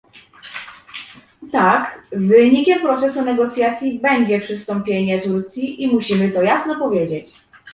Tak, wynikiem procesu negocjacji będzie przystąpienie Turcji i musimy to jasno powiedzieć